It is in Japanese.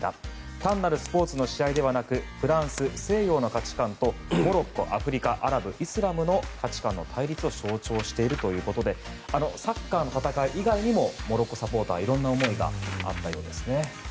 単なるスポーツではなくフランス、西洋の価値観とモロッコ、アフリカ、アラブイスラムの価値観の対立を象徴しているということでサッカーの戦い以外にもモロッコサポーターはいろんな思いがあったそうです。